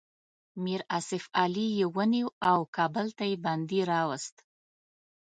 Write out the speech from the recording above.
میر آصف علي یې ونیو او کابل ته یې بندي راووست.